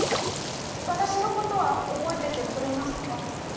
私のことは覚えててくれますか？